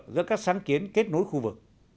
giữa các sáng kiến kết nối khu vực